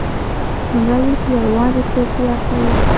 په لومړیو کې یوازې سیاسي اړخ درلود